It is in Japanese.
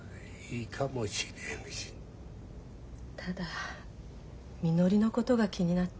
ただみのりのことが気になって。